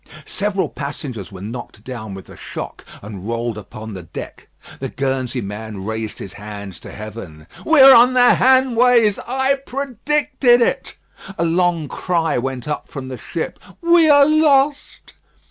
Several passengers were knocked down with the shock and rolled upon the deck. The Guernsey man raised his hands to heaven: "We are on the Hanways. I predicted it." A long cry went up from the ship. "We are lost."